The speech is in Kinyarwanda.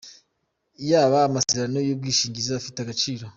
yaba amasezerano y’ubwishingizi agifite agaciro.